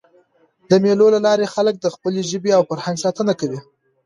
د مېلو له لاري خلک د خپلي ژبي او فرهنګ ساتنه کوي.